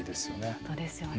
本当ですよね。